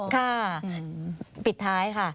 ค่ะปิดท้ายค่ะ